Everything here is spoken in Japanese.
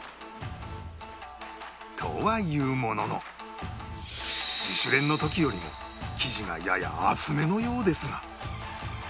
とは言うものの自主練の時よりも生地がやや厚めのようですが